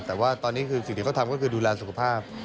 แต่ว่าตอนนี้คือสิ่งที่เขาทำก็คือดูแลสุขภาพ